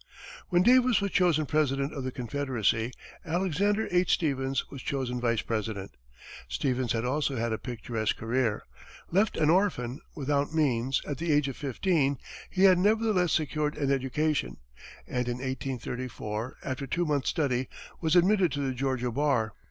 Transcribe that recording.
When Davis was chosen President of the Confederacy, Alexander H. Stephens was chosen Vice President. Stephens had also had a picturesque career. Left an orphan, without means, at the age of fifteen he had nevertheless secured an education, and, in 1834, after two months' study, was admitted to the Georgia bar.